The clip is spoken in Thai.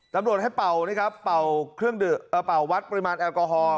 ตำรวจให้เป่านะครับเป่าเครื่องเป่าวัดปริมาณแอลกอฮอล